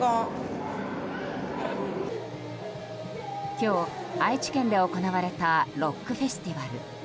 今日、愛知県で行われたロックフェスティバル。